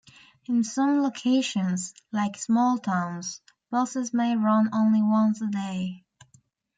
In some locations, like small towns, buses may run only once a day.